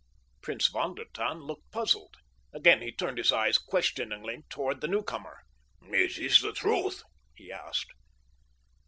Prince von der Tann looked puzzled. Again he turned his eyes questioningly toward the newcomer. "Is this the truth?" he asked.